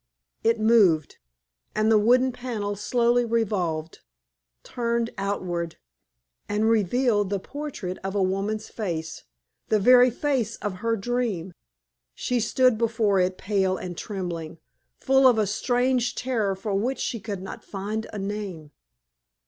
It moved, and the wooden panel slowly revolved, turned outward, and revealed the portrait of a woman's face the very face of her dream. She stood before it pale and trembling, full of a strange terror for which she could not find a name.